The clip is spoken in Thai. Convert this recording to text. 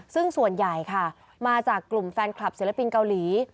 ซึ่งส่วนใหญ่ค่ะมาจากกลุ่มแฟนคลับศิลปินเกาหลี